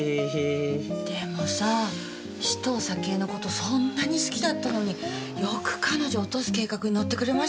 でもさ紫藤咲江の事そんなに好きだったのによく彼女落とす計画に乗ってくれましたよね。